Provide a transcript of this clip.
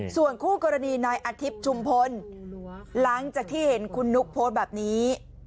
ส่วนคู่กรณีนายอาทิตย์ชุมพลหลังจากที่เห็นคุณนุ๊กโพสต์แบบนี้